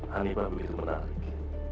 hanifah begitu menarik